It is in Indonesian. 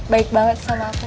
baik banget sama aku